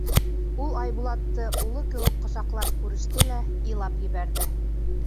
Ул Айбулатты улы кеүек ҡосаҡлап күреште лә илап ебәрҙе.